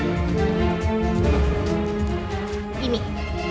uang lima juta rupiah